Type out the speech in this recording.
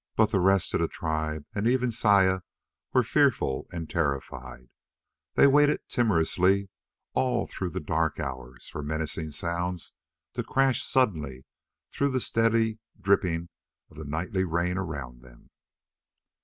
But the rest of the tribe, and even Saya, were fearful and terrified. They waited timorously all through the dark hours for menacing sounds to crash suddenly through the steady dripping of the nightly rain around them.